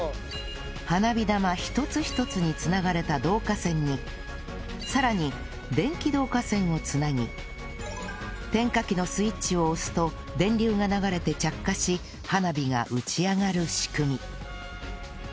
花火玉一つ一つに繋がれた導火線にさらに電気導火線を繋ぎ点火機のスイッチを押すと電流が流れて着火し花火が打ち上がる仕組み